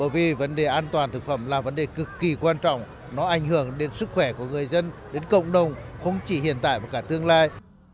vấn đề cực kỳ quan trọng nó ảnh hưởng đến sức khỏe của người dân đến cộng đồng không chỉ hiện tại mà cả tương lai